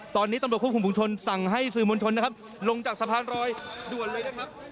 ตอนนี้ตำรวจควบคุมฝุงชนสั่งให้สื่อมวลชนนะครับลงจากสะพานรอยด่วนเลยนะครับ